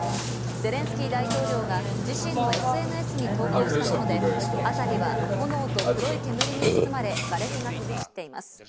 ゼレンスキー大統領が自身のＳＮＳに投稿したもので、辺りは炎と黒い煙に包まれ、がれきが飛び散っています。